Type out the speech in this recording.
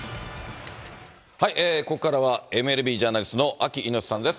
ここからは、ＭＬＢジャーナリストのアキ猪瀬さんです。